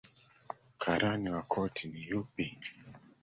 Karani wa koti ni yupi?